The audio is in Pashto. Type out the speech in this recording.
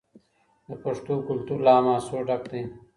د پښتنو کلتور له حماسو ډک دی.